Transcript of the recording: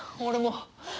俺も。